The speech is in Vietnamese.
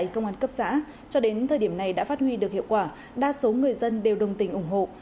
công an cấp xã cho đến thời điểm này đã phát huy được hiệu quả đa số người dân đều đồng tình ủng hộ